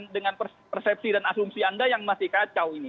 dengan persepsi dan asumsi anda yang masih kacau ini